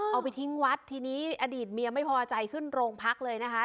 เอาไปทิ้งวัดทีนี้อดีตเมียไม่พอใจขึ้นโรงพักเลยนะคะ